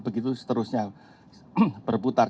begitu seterusnya berputar